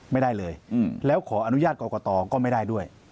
ไม่ได้เลยแล้วขออนุญาตกรกตก็ไม่ได้ด้วย